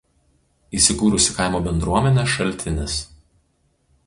Įsikūrusi kaimo bendruomenė „Šaltinis“.